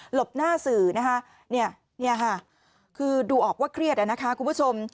หลบหน้าสื่อนะฮะคือดูออกว่าเครียดนะครับคุณผู้ชม